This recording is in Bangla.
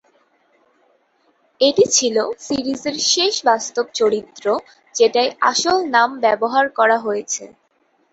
এটি ছিল সিরিজের শেষ বাস্তব চরিত্র যেটায় আসল নাম ব্যবহার করা হয়েছে।